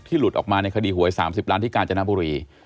หลุดออกมาในคดีหวย๓๐ล้านที่กาญจนบุรี